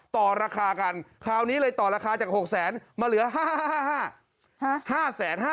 ต่อราคากันคราวนี้เลยต่อราคาจาก๖๐๐๐๐๐มาเหลือ๕๕๕๕๕๕บาท